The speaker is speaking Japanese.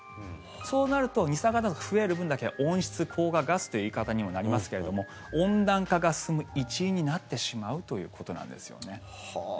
そうなると二酸化炭素が増える分だけ温室効果ガスという言い方にもなりますけども温暖化が進む一因になってしまうということなんですよね。